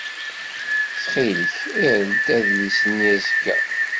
Ttxil-k, err-d adlis-nni azekka.